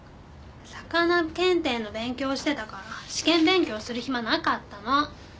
さかな検定の勉強をしてたから試験勉強をする暇なかったの！